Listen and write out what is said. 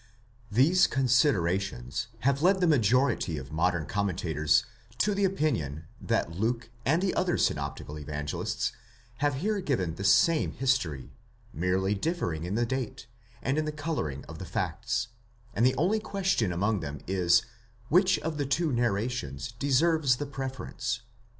These considerations have led the majority of modern commentators to the opinion, that Luke and the other synoptical Evangelists have here given the same history, merely differing in the date, and in the colouring of the facts ;* and the only question among them is, which of the two narrations deserves the preference.